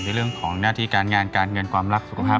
เรื่องของหน้าที่การงานการเงินความรักสุขภาพ